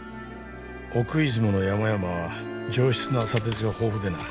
奥出雲の山々は上質な砂鉄が豊富でな